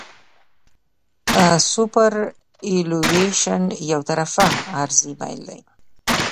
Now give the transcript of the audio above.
سوپرایلیویشن یو طرفه عرضي میل دی